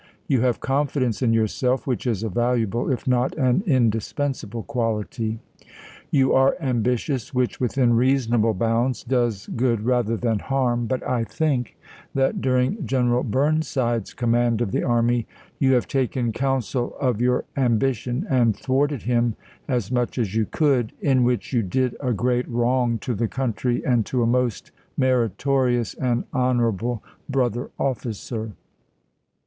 You have confidence in yourself, which is a valuable, if not an indispensable, quality. You are ambitious, which, within reasonable bounds, does good rather than harm ; but I think that during General Burn side's command of the army, you have taken counsel of your ambition, and thwarted him as much as you could, in which you did a great wrong to the country and to a most meritori ous and honorable brother officer.